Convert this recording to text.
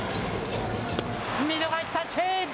見逃し三振。